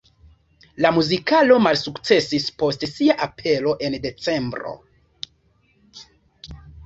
La muzikalo malsukcesis post sia apero en decembro.